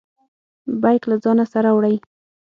بیګ له ځانه سره وړئ؟